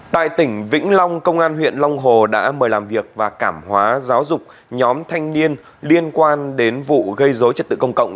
tại tỉnh vĩnh long công an huyện long hồ đã mời làm việc và cảm hóa giáo dục nhóm thanh niên liên quan đến vụ gây dối trật tự công cộng